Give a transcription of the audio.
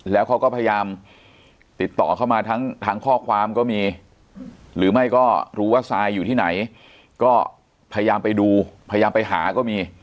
แล้วเขาก็พยายามติดต่อเข้ามาทั้งข้อความก็มีหรือไม่ก็รู้ว่าซายอยู่ที่ไหนก็พยายามไปดูพยายามไปหาก็มี